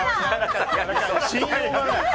信用がない。